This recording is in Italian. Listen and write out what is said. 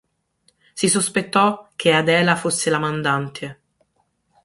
Si sospettò che Adela fosse la mandante.